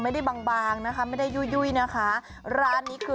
ดีค่ะ